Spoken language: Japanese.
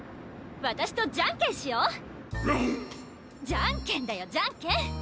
じゃんけんだよじゃんけん！